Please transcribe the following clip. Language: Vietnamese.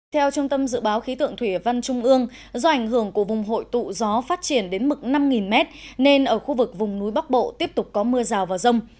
theo trung tâm dự báo khí tượng thủy văn trung ương do ảnh hưởng của vùng hội tụ gió phát triển đến mực năm m nên ở khu vực vùng núi bắc bộ tiếp tục có mưa rào và rông